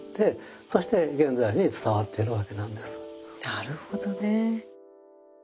なるほどね。